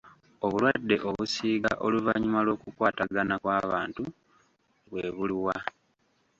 Obulwadde obusiiga oluvannyuma lw'okukwatagana kw'abantu bwe buli wa?